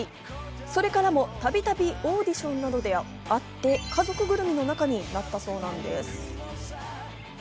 それからもたびたびオーディションなどで会って家族ぐるみの仲になったそうなんです。